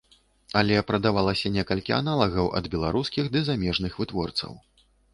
Але прадаваліся некалькі аналагаў ад беларускіх ды замежных вытворцаў.